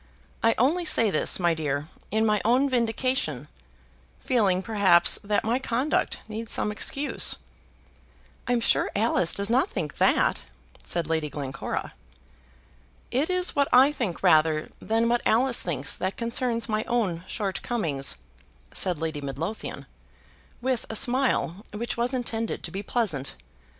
I only say this, my dear, in my own vindication, feeling, perhaps, that my conduct needs some excuse." "I'm sure Alice does not think that," said Lady Glencora. "It is what I think rather than what Alice thinks that concerns my own shortcomings," said Lady Midlothian, with a smile which was intended to be pleasant.